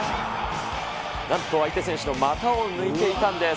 なんと相手選手の股を抜いていたんです。